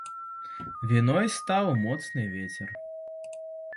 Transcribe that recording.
Віной стаў моцны вецер.